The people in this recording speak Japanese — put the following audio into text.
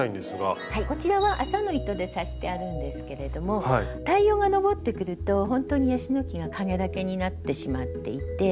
こちらは麻の糸で刺してあるんですけれども太陽が昇ってくるとほんとにヤシの木が影だけになってしまっていて。